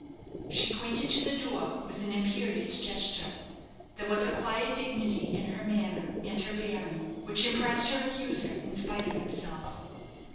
She pointed to the door with an imperious gesture. There was a quiet dignity in her manner and her bearing which impressed her accuser in spite of himself.